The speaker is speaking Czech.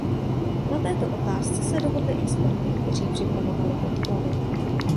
Na této otázce se dohodli experti, kteří připravovali podklady.